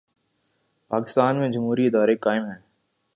پاکستان میں جمہوری ادارے قائم ہیں۔